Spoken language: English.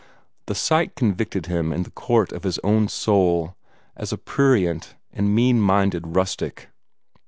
The sight convicted him in the court of his own soul as a prurient and mean minded rustic.